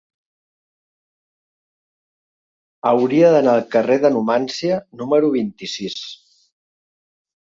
Hauria d'anar al carrer de Numància número vint-i-sis.